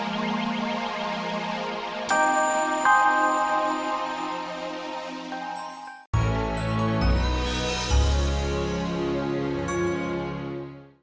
sampai jumpa lagi